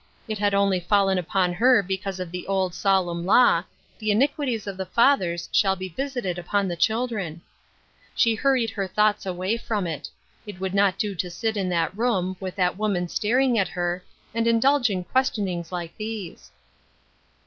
It had only fallen upon her because of the old, solemn law :" The iniquities of the fathers shall be visited upon the chil dren." She hurried her thoughts away from it It would not do to sit in that room, with that woman staring at her, and indulge ip. question uigs like these.